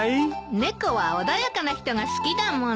猫は穏やかな人が好きだもの。